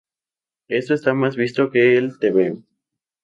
Esto está más visto que el tebeo